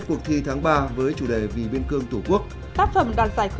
tôi có thể nói tóm lại